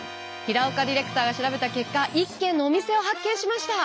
平岡ディレクターが調べた結果一軒のお店を発見しました。